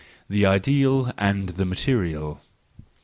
The Ideal and the Material